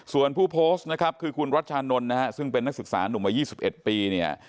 ส่วนผู้โพสต์นะครับคือคุณรัชชานนท์นะฮะซึ่งเป็นนักศึกษานุ่มวัย๒๑ปีเนี่ย